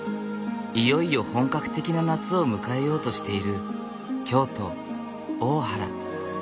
いよいよ本格的な夏を迎えようとしている京都・大原。